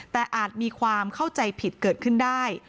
แต่อาจมีความเข้าใจผิดเกิดขึ้นได้